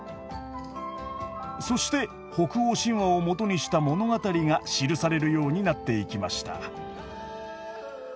そして北欧神話を基にした物語が記されるようになっていきました。